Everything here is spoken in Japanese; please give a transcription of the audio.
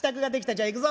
じゃあ行くぞ。